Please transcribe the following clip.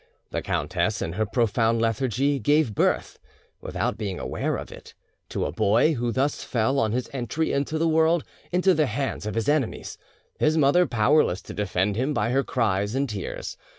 The countess, in her profound lethargy, gave birth, without being aware of it, to a boy, who thus fell on his entry into the world into the hands of his enemies, his mother powerless to defend him by her cries and tears.